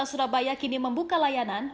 dinas sosial kota surabaya kini membuka layanan